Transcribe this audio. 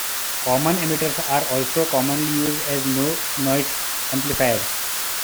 Common emitters are also commonly used as low-noise amplifiers.